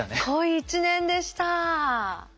濃い１年でした。